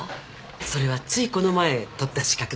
それはついこの前取った資格です